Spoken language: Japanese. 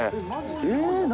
え何？